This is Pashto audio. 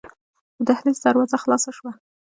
د دهلېز دروازه خلاصه شوه.